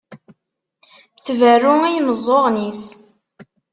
Tberru i yimeẓẓuɣen-is.